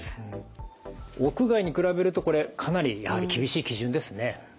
屋外に比べるとこれかなりやはり厳しい基準ですね。